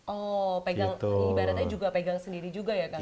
oh ibaratnya pegang sendiri juga ya kang